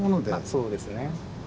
そうですね。